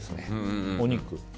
お肉。